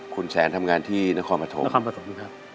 คุณแสนทำงานที่นครพภม